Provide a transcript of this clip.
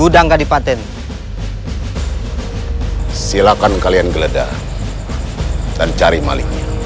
dan cari malingnya